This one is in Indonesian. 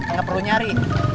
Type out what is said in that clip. nggak perlu nyari